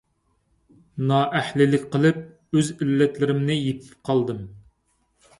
نائەھلىلىك قىلىپ، ئۆز ئىللەتلىرىمنى يېپىپ قالدىم.